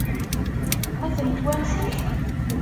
Ad ten-twansemt?